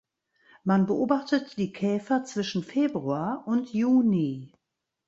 Man beobachtet die Käfer zwischen Februar und Juni.